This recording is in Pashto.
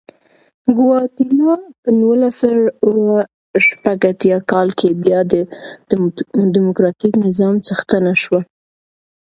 ګواتیلا په نولس سوه شپږ اتیا کال کې بیا ډیموکراتیک نظام څښتنه شوه.